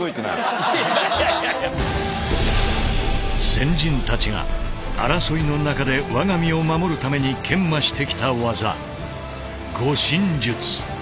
先人たちが争いの中で我が身を守るために研磨してきた技護身術。